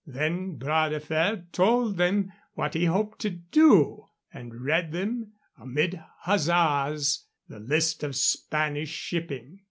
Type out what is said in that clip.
Then Bras de Fer told them what he hoped to do, and read them (amid huzzahs) the list of Spanish shipping.